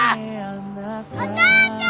お父ちゃん！